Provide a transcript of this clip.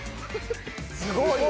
すごいよ！